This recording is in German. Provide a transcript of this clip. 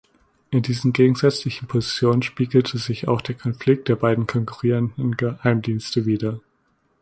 In diesen gegensätzlichen Positionen spiegelte sich auch der Konflikt der beiden konkurrierenden Geheimdienste wider.